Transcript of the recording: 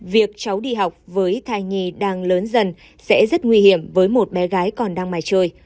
việc cháu đi học với thai nhì đang lớn dần sẽ rất nguy hiểm với một bé gái còn đang mài chơi